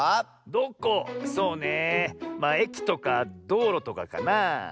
そうねええきとかどうろとかかなあ。